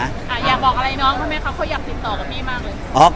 อยากบอกอะไรน้องเขาไหมคะเขาอยากติดต่อกับพี่มากเลย